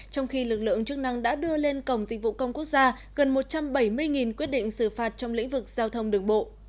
trong khi lực lượng chức năng đã đưa lên cổng dịch vụ công quốc gia gần một trăm bảy mươi quyết định xử phạt trong lĩnh vực giao thông đường bộ